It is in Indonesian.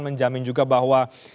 menjamin juga bahwa